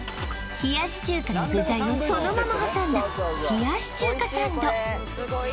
冷やし中華の具材をそのまま挟んだ冷やし中華サンド